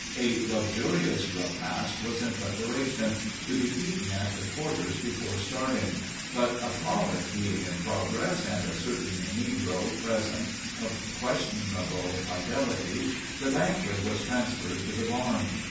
A luxurious repast was in preparation, to be eaten at the quarters before starting; but a frolic being in progress, and a certain negro present of questionable fidelity, the banquet was transferred to the barn.